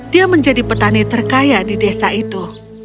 dia menjadi petani terkaya di desa itu